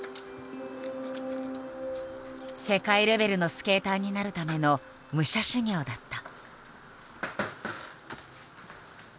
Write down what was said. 世界レベルのスケーターになるための武者修行だった。